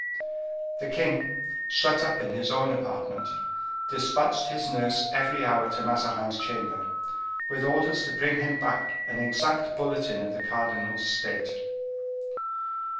The king, shut up in his own apartment, dispatched his nurse every hour to Mazarin's chamber, with orders to bring him back an exact bulletin of the cardinal's state.